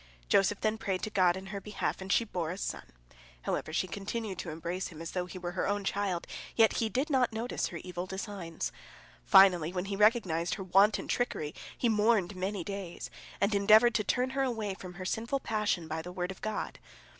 Joseph then prayed to God in her behalf, and she bore a son. However, she continued to embrace him as though he were her own child, yet he did not notice her evil designs. Finally, when he recognized her wanton trickery, he mourned many days, and endeavored to turn her away from her sinful passion by the word of God.